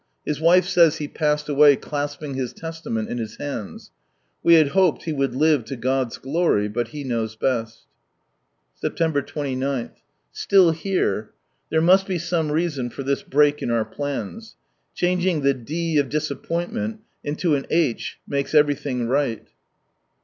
His wife says he passed away clasping his Testament in his hands. We had hoped he would live to God's glory, but He knows best. Septcniher 29. — Still here. There must be some reason for this break in our plans. Changing the D of disappoint meiil into an H makes everything right.